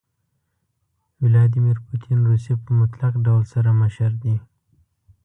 ويلاديمير پوتين روسيه په مطلق ډول سره مشر دي.